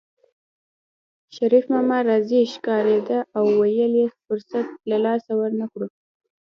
شريف ماما راضي ښکارېده او ویل یې فرصت له لاسه ورنکړو